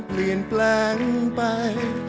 เปลี่ยนแปลงไป